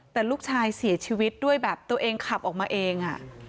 แต่ลูกชายเสียชีวิตด้วยแบบตัวเองขับออกมาเอง